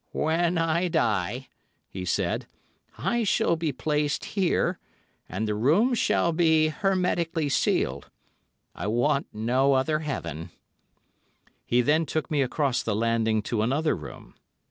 'When I die,' he said, 'I shall be placed here, and the room shall be hermetically sealed. I want no other heaven.' He then took me across the landing to another room.